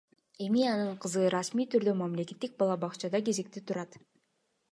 Эми анын кызы расмий түрдө мамлекеттик бала бакчада кезекте турат.